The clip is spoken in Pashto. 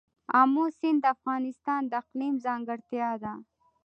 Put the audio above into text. آمو سیند د افغانستان د اقلیم ځانګړتیا ده.